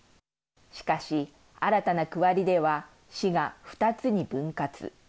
しかし新たな区割りでは市が２つに分割。